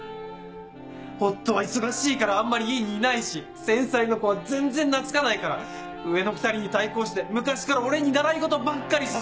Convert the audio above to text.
夫は忙しいからあんまり家にいないし先妻の子は全然懐かないから上の２人に対抗して昔から俺に習い事ばっかりさせてさ。